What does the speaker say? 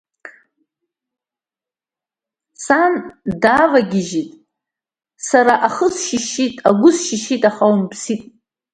Сан давагьежьт, сара ахы сышьшьит, агәы сышьшьит, аха умԥсит…